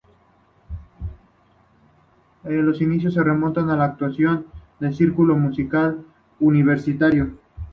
Los inicios se remontan a actuaciones en el circuito musical universitario.